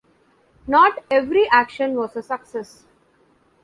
Not every action was a success.